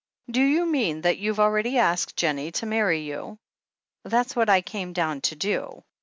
"Do you mean that you have already asked Jennie to marry you ?" "That's what I came down to do.